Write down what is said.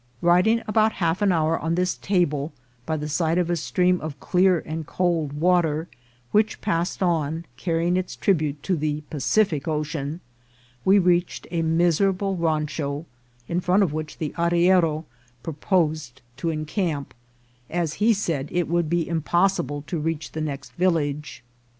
Riding about half an hour on this table, by the side of a stream of clear and cold water, which passed on, carrying its trib ute to the Pacific Ocean, we reached a miserable rancho, in front of which the arriero proposed to encamp, as he said it would be impossible to reach the next village.